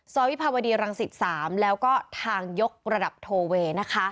วิภาวดีรังสิต๓แล้วก็ทางยกระดับโทเวนะคะ